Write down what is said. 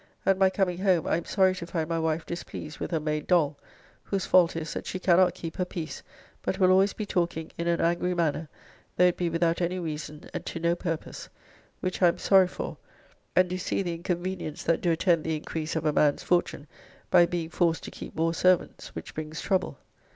At my coming home I am sorry to find my wife displeased with her maid Doll, whose fault is that she cannot keep her peace, but will always be talking in an angry manner, though it be without any reason and to no purpose, which I am sorry for and do see the inconvenience that do attend the increase of a man's fortune by being forced to keep more servants, which brings trouble.